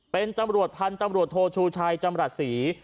เป็นตำรวจพันธุ์ตำรวจโทชูชัยจำรัฐศรี